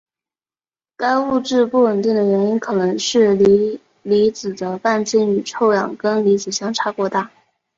该物质不稳定的原因可能是锂离子的半径与臭氧根离子相差过大。